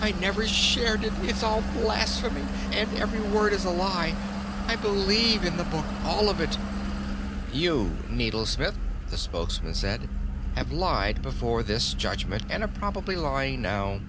"I never shared it! It's all blasphemy and every word is a lie! I believe in the Book, all of it!" "You, needlesmith," the Spokesman said, "have lied before this Judgment, and are probably lying now.